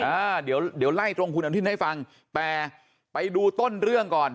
อ่าเดี๋ยวเดี๋ยวไล่ตรงคุณอนุทินให้ฟังแต่ไปดูต้นเรื่องก่อน